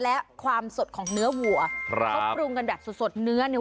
และความสดของเนื้อวัวครับเขาปรุงกันแบบสดสดเนื้อเนี่ย